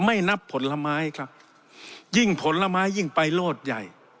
ไม่นับผลไม้ครับยิ่งผลไม้ยิ่งไปโลดใหญ่